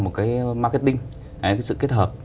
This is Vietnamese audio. một cái marketing sự kết hợp